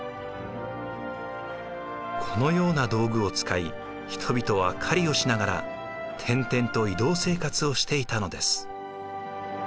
このような道具を使い人々は狩りをしながら転々と移動生活をしていたのです。